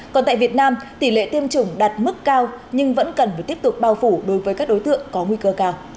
còn tại việt nam tỷ lệ tiêm chủng đạt mức cao nhưng vẫn cần phải tiếp tục bao phủ đối với các đối tượng có nguy cơ cao